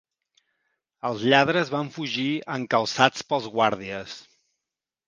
Els lladres van fugir encalçats pels guàrdies.